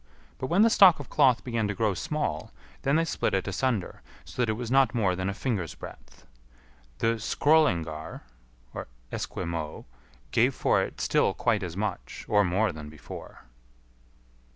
But when the stock of cloth began to grow small, then they split it asunder, so that it was not more than a finger's breadth. The Skrœlingar {Esquimaux) gave for it still quite as much, or more than before.